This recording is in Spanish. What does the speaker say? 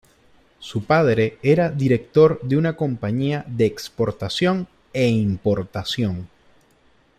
Su padre era director de una compañía de exportación e importación.